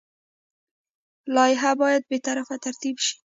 لایحه باید بې طرفه ترتیب شي.